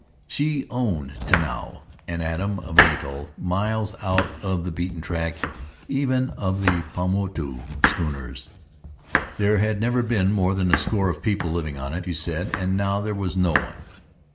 She owned Tanao, an atom of an atoll miles out of the beaten track even of the Paumotu schooners. There had never been more than a score of people living on it, she said, and now there was no one.